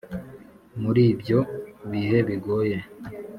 Muri ibyo bihe bigoye